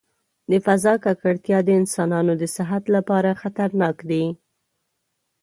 د فضا ککړتیا د انسانانو د صحت لپاره خطرناک دی.